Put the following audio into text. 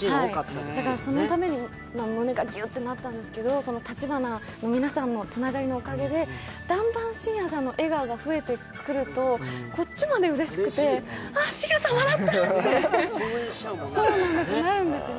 そのために胸がギュッとなったんですけど、たちばなの皆さんのつながりのおかげで、だんだん信也さんの笑顔が増えてくるとこっちまでうれしくて、あ、信也さん笑った！ってなるんですよね。